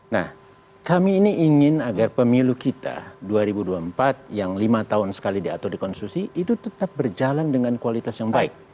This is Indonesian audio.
nah kami ini ingin agar pemilu kita dua ribu dua puluh empat yang lima tahun sekali diatur di konstitusi itu tetap berjalan dengan kualitas yang baik